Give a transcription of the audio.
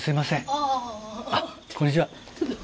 あっこんにちは。